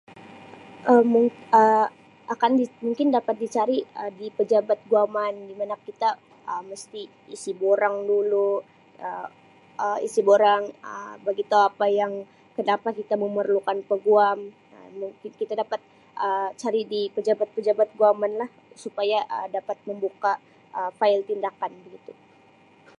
Um mu- Um akan di - mungkin dapat dicari Um di pejabat guaman di mana kita Um mesti isi borang dulu Um isi borang Um bagitau apa yang kenapa kita memerlukan peguam Um ki-kita dapat Um cari di pejabat-pejabat guaman lah supaya Um dapat membuka Um fail tindakan begitu.